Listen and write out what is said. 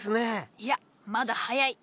いやまだ早い。